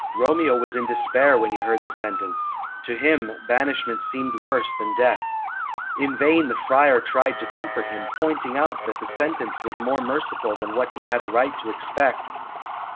Romeo was in despair when he heard the sentence. To him banishment seemed worse than death. In vain the Friar tried to comfort him, pointing out that the sentence was more merciful than what he had a right to expect.